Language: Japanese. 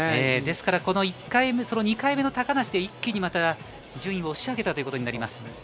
ですから２回目の高梨で一気にまた順位を押し上げたことになります。